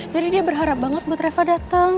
jadi dia berharap banget buat reva dateng